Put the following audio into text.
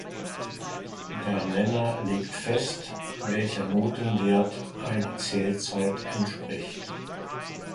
Der Nenner legt fest, welcher Notenwert einer Zählzeit entspricht.